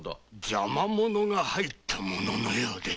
邪魔者が入ったもののようで。